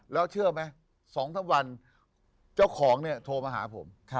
แล้วเชื่อมั้ย๒ท่าวังเจ้าของโทรมาหาผม